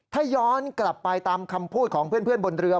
ถ้าย้อนกลับไปตามคำพูดของเพื่อนบนเรือ